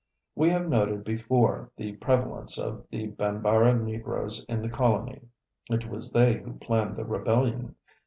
We have noted before the prevalence of the Banbara Negroes in the colony. It was they who planned the rebellion.